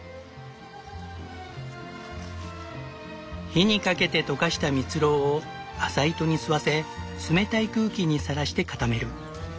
火にかけて溶かしたミツロウを麻糸に吸わせ冷たい空気にさらして固める。